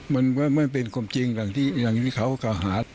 มันไม่เป็นความจริงอย่างที่เขากล่าวหา